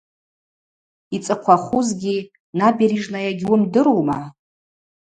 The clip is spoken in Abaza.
Йцӏыхъвахузгьи – Набережная гьуымдырума?